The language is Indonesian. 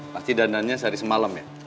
pasti dananya sehari semalam ya